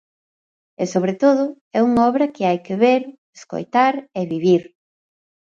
E, sobre todo, é unha obra que hai que ver, escoitar e vivir.